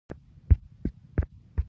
خدای ته نږدې بدترین خلک همغه دي.